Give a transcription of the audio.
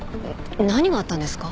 何があったんですか？